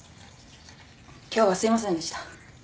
今日はすいませんでした。